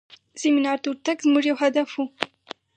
سیمینار ته ورتګ زموږ یو هدف و.